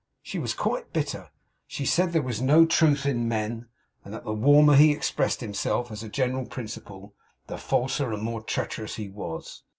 She was quite bitter. She said there was no truth in man and that the warmer he expressed himself, as a general principle, the falser and more treacherous he was.